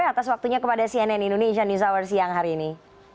atas waktunya kepada cnn indonesian news hour siang hari ini